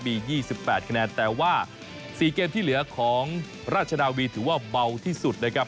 มี๒๘คะแนนแต่ว่า๔เกมที่เหลือของราชนาวีถือว่าเบาที่สุดนะครับ